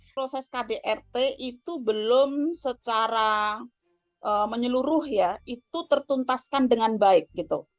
proses kdrt itu belum secara menyeluruh ya itu tertuntaskan dengan baik gitu